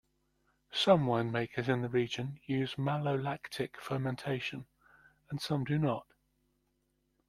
Some winemakers in the region use malolactic fermentation and some do not.